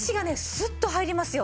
スッと入りますよ。